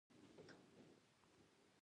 د خبرو ځواک کولای شي خلک یو موټی کړي.